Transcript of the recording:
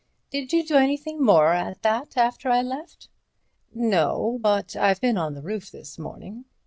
Did you do anything more at that after I left?" "No; but I've been on the roof this morning."